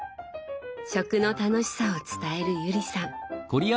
食の楽しさを伝える友里さん。